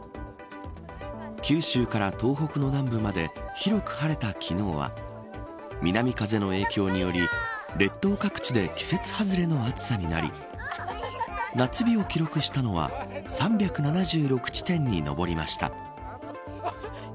九州から東北の南部まで広く晴れた昨日は南風の影響により列島各地で季節外れの暑さになり夏日を記録したのは３７６地点に上りました。